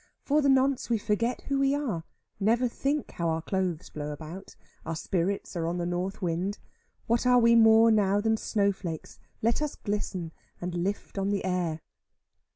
For the nonce we forget who we are, never think how our clothes blow about, our spirits are on the north wind, what are we more than snow flakes, let us glisten and lift on the air.